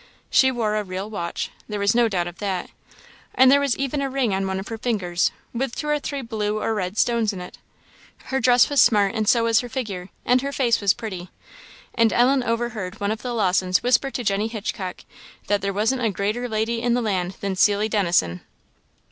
She wore a real watch there was no doubt of that and there was even a ring on one of her fingers, with two or three blue or red stones in it. Her dress was smart, and so was her figure, and her face was pretty; and Ellen overheard one of the Lawsons whisper to Jenny Hitchcock that "there wasn't a greater lady in the land than Cilly Dennison."